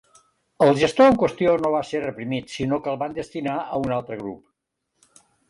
El gestor en qüestió no va ser reprimit, sinó que el van destinar a un altre grup.